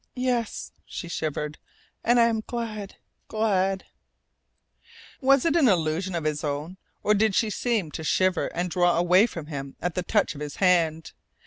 "Yes," she shivered. "And I'm glad glad " Was it an illusion of his own, or did she seem to shiver and draw away from him AT THE TOUCH OF HIS HAND?